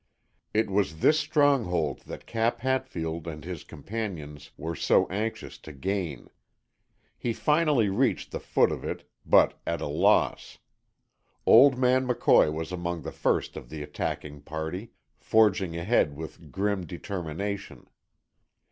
It was this stronghold that Cap Hatfield and his companions were so anxious to gain. He finally reached the foot of it, but at a loss. Old man McCoy was among the first of the attacking party, forging ahead with grim determination.